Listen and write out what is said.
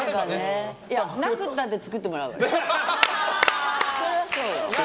なくったって作ってもらうわよ。